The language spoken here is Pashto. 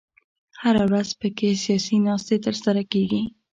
هره ورځ په کې سیاسي ناستې تر سره کېږي.